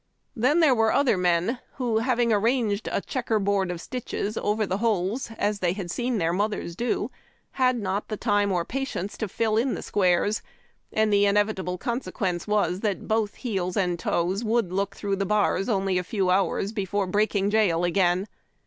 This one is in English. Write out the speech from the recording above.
Then, there were other men who, hav ing arranged a checker board of stitches over tlie holes, as they had seen their mothers do, had not the time or patience to fill in the squares, and the inevitable consequence was that both heels and toes would look through the bars only a few hours before breaking jail again.